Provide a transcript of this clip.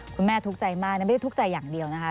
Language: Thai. คุณแม่ทุกข์ใจมากไม่ได้ทุกข์ใจอย่างเดียวนะคะ